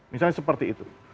misalnya seperti itu